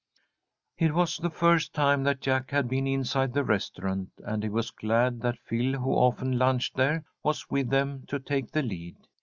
It was the first time that Jack had been inside the restaurant, and he was glad that Phil, who often lunched there, was with them to take the lead.